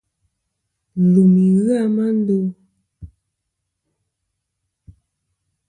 Lùmi ghɨ a ma ndo.